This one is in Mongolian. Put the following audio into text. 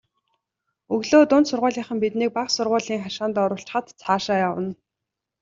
Өглөө дунд сургуулийнхан биднийг бага сургуулийн хашаанд оруулчихаад цаашаа явна.